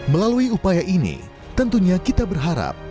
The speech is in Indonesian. melalui upaya ini tentunya kita berharap